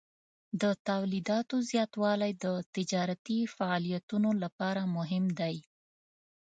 د تولیداتو زیاتوالی د تجارتي فعالیتونو لپاره مهم دی.